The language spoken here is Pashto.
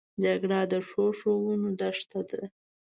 جګړه د ښو ښوونو دښمنه ده